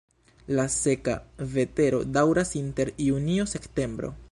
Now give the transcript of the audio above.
La seka vetero daŭras inter junio-septembro.